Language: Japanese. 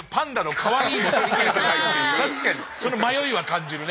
その迷いは感じるね。